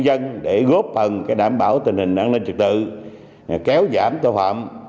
đã và đang góp phần tình hình an ninh trật tự kéo giảm tội phạm